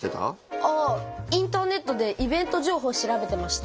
あインターネットでイベント情報調べてました。